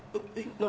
何？